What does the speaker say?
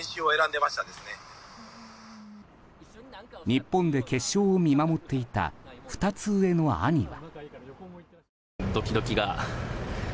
日本で決勝を見守っていた２つ上の兄は。